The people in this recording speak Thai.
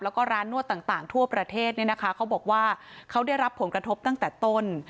แล้วก็ร้านนวดต่างทั่วประเทศเนี่ยนะคะเขาบอกว่าเขาได้รับผลกระทบตั้งแต่ต้น